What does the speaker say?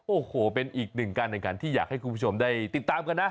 โอ้โหเป็นอีกหนึ่งการแข่งขันที่อยากให้คุณผู้ชมได้ติดตามกันนะ